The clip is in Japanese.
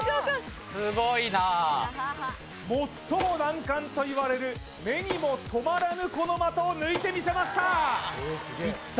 最も難関といわれる目にも留まらぬこの的を抜いてみせました